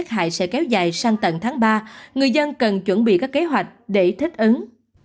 hại sẽ kéo dài sang tận tháng ba người dân cần chuẩn bị các kế hoạch để thích ứng